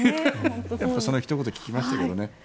そのひと言が効きましたけどね。